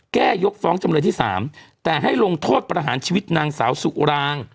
ยกฟ้องจำเลยที่สามแต่ให้ลงโทษประหารชีวิตนางสาวสุราง